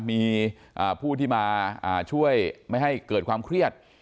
มีผู้ที่มาช่วยไม่ให้เกิดความเครียด